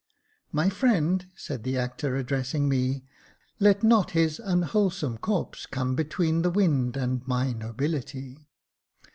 " My friend," said the actor, addressing me, •' Let not his unwholesome corpse come between the wind And my nobility.